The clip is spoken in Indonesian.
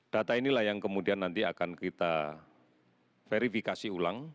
data inilah yang kemudian nanti akan kita verifikasi ulang